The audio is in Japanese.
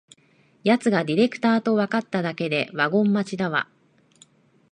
やつがディレクターとわかっただけでワゴン待ちだわ